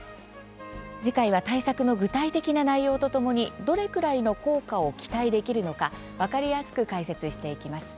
次回は、対策の具体的な内容とともにどれくらいの効果を期待できるのか分かりやすく解説していきます。